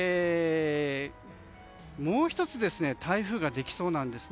もう１つ台風ができそうなんです。